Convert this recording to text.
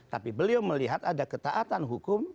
tapi beliau melihat ada ketaatan hukum